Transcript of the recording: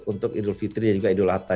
untuk idul fitri dan juga idul adha